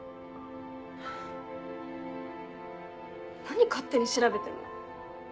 何勝手に調べてんの？